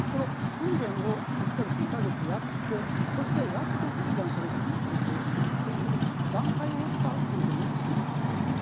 訓練を１か月、２か月やってそして、やっと実弾射撃に移行するということで段階を追った訓練を実施しています。